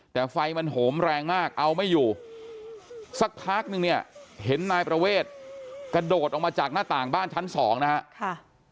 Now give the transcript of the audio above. แต่ไฟมันโหมแรงมากเอาไม่อยู่สักพักนึงเนี่ยเห็นนายประเวทกระโดดออกมาจากหน้าต่างบ้านชั้นสองนะฮะ